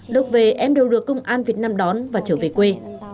lúc về em đều được công an việt nam đón và trở về quê